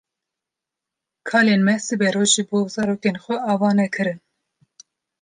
Kalên me siberoj ji bo zarokên xwe ava nekirin.